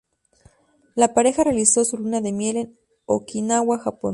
La pareja realizó su luna de miel en Okinawa, Japón.